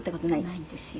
「ないんですよ。